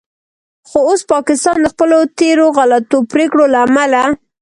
خو اوس پاکستان د خپلو تیرو غلطو پریکړو له امله